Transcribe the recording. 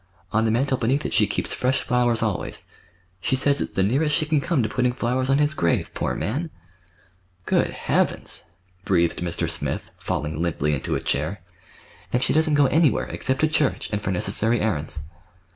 On the mantel beneath it she keeps fresh flowers always. She says it's the nearest she can come to putting flowers on his grave, poor man!" "Good Heavens!" breathed Mr. Smith, falling limply into a chair. "And she doesn't go anywhere, except to church, and for necessary errands."